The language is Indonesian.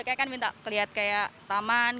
kayaknya kan minta kelihatan kayak taman